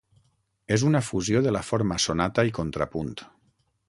És una fusió de la forma sonata i contrapunt.